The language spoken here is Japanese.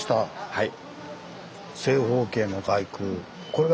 はい。